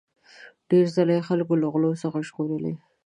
ډیر ځله یې خلک له غلو څخه ژغورلي.